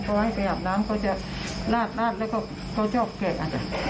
พอให้ไปอาบน้ำเขาจะลาดแล้วก็เขาชอบแข่ง